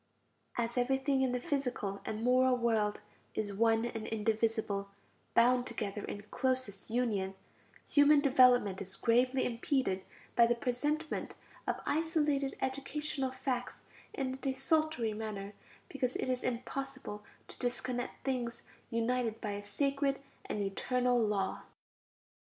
As everything in the physical and moral world is one and indivisible, bound together in closest union, human development is gravely impeded by the presentment of isolated educational facts in a desultory manner, because it is impossible to disconnect things united by a sacred and eternal law.